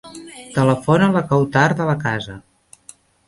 Telefona a la Kawtar De La Casa.